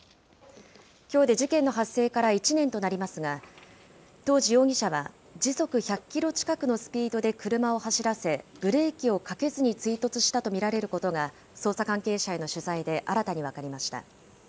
きょうで事件の発生から１年となりますが、当時、容疑者は時速１００キロ近くのスピードで車を走らせ、ブレーキをかけずに追突したと見られることが、捜査関係者への取材で新たに分かりました。